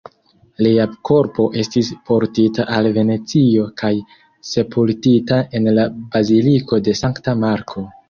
Lia korpo estis portita al Venecio kaj sepultita en la Baziliko de Sankta Marko.